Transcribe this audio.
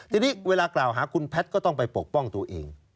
ทีนี้เวลากล่าวหาคุณแพทย์ก็ต้องไปปกป้องตัวเอง